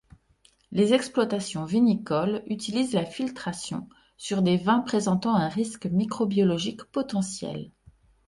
Les exploitations vinicoles utilisent la filtration sur des vins présentant un risque microbiologique potentiel.